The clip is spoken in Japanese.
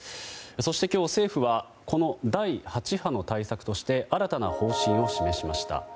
そして今日、政府はこの第８波の対策として新たな方針を示しました。